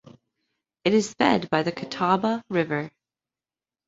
It is fed by the Catawba River.